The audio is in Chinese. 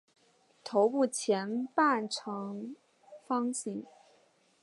头部前半部呈方形。